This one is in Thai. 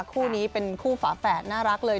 คู่นี้เป็นคู่ฝาแฝดน่ารักเลย